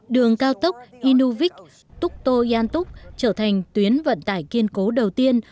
đường cao tốc inuvik tukto yantuk trở thành tuyến vận tải kiên cố đầu tiên